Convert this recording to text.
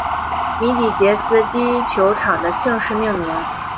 米底捷斯基球场的姓氏命名。